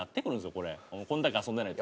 これだけ遊んでないと。